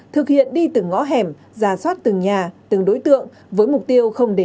thực hiện đi từ ngõ hẻm ra soát từng nhà từng đối tượng với mục tiêu không bị phá hủy